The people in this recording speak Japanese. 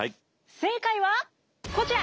正解はこちら。